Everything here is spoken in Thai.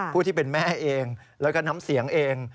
ผู้ที่เป็นแม่เองแล้วก็น้ำเสียงเอง